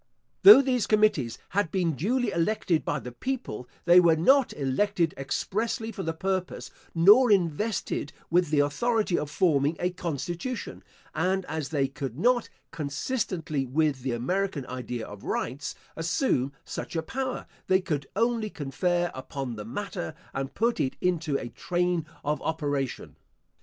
Though these committees had been duly elected by the people, they were not elected expressly for the purpose, nor invested with the authority of forming a constitution; and as they could not, consistently with the American idea of rights, assume such a power, they could only confer upon the matter, and put it into a train of operation.